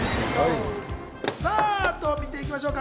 さぁ見ていきましょうか。